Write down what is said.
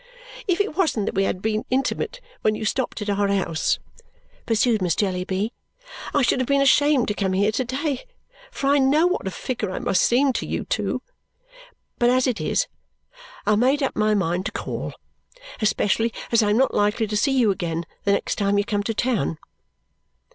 "If it wasn't that we had been intimate when you stopped at our house," pursued Miss Jellyby, "I should have been ashamed to come here to day, for I know what a figure I must seem to you two. But as it is, I made up my mind to call, especially as I am not likely to see you again the next time you come to town."